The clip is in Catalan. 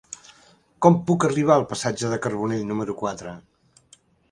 Com puc arribar al passatge de Carbonell número quatre?